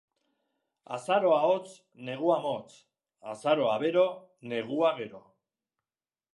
Azaroa hotz, negua motz. Azaroa bero, negua gero.